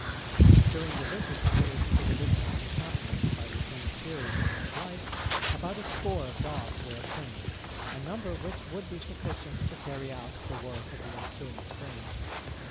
During the visits paid to the different encampments by Lieutenant Peary and his wife, about a score of dogs were obtained, a number which would be sufficient to carry out the work of the ensuing spring.